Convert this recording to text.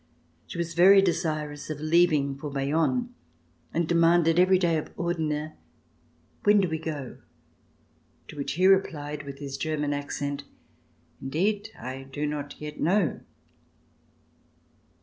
She was very desirous of leaving for Bayonne and demanded every day ofOrdener:"When do we go.'' " to which he replied with his German accent :*' Indeed, I do not yet know."